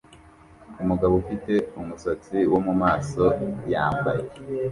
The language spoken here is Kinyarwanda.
Umugabo ufite umusatsi wo mumaso yambaye